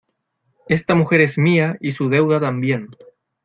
esta mujer es mía, y su deuda también.